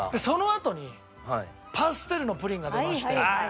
そのあとにパステルのプリンが出まして。